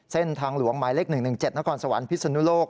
เส้นทางหลวงไม้๑๑๗นครสวรรค์พรีศนูโลก